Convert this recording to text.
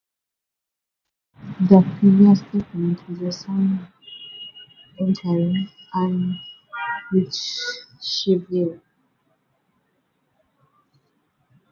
The previous statement is on a sign entering Uhrichsville.